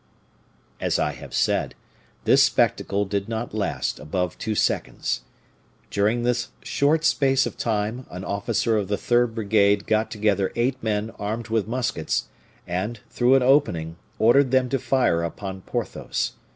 As I have said, this spectacle did not last above two seconds. During this short space of time an officer of the third brigade got together eight men armed with muskets, and, through an opening, ordered them to fire upon Porthos.